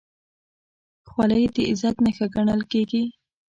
خولۍ د عزت نښه ګڼل کېږي.